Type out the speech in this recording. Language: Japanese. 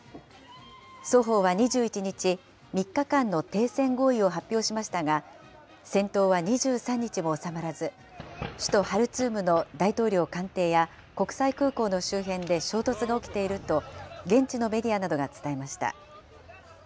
双方は２１日、３日間の停戦合意を発表しましたが、戦闘は２３日も収まらず、首都ハルツームの大統領官邸や国際空港の周辺で衝突が起きていると、現地のメディアなどが伝えました。